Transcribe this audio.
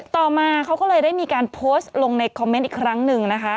ต่อมาเขาก็เลยได้มีการโพสต์ลงในคอมเมนต์อีกครั้งหนึ่งนะคะ